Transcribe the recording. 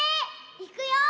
いくよ。